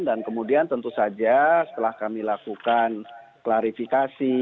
kemudian tentu saja setelah kami lakukan klarifikasi